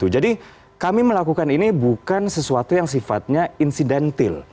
jadi kami melakukan ini bukan sesuatu yang sifatnya incidental